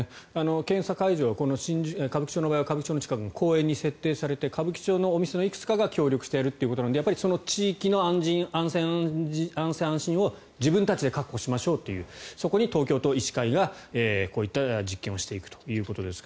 検査会場は新宿・歌舞伎町の場合は歌舞伎町の近くの公園に設定されて歌舞伎町のいくつかのお店が協力してやるということなのでその地域の安全安心を自分たちで確保しましょうというそこに東京都医師会がこういった実験をしていくということですが